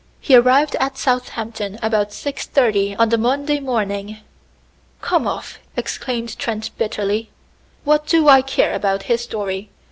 He arrived in Southampton about six thirty on the Monday morning." "Come off!" exclaimed Trent bitterly. "What do I care about his story?